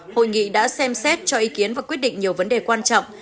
hội nghị đã xem xét cho ý kiến và quyết định nhiều vấn đề quan trọng